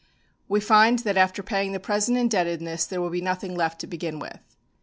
We find that after paying the present indebtedness there will be nothing left to begin with.